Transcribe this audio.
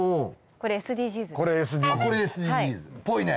これＳＤＧｓぽいね。